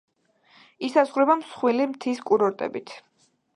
ისაზღვრება მსხვილი მთის კურორტებით.